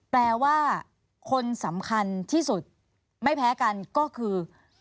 แปลว่าคนสำคัญที่สุดไม่แพ้กันก็คือ